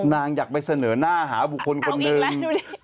นางอยากไปเสนอหน้าหาบุคคลคนหนึ่ง